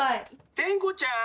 テンコちゃん。